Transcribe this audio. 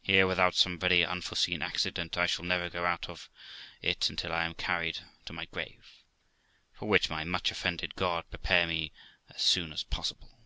Here, without some very unforeseen accident, I shall never go out of it until I am carried to my grave, for which my much offended God prepare me as soon as possible.